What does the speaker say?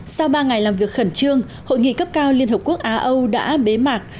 sau ba ngày làm việc khẩn trương hội nghị cấp cao liên hợp quốc á âu đã bế mạc